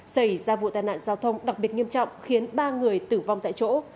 xảy ra vụ tai nạn giao thông đặc biệt nghiêm trọng khiến ba người tử vong tại chỗ